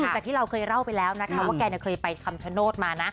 จากที่เราเคยเล่าไปแล้วนะคะว่าแกเคยไปคำชโนธมานะ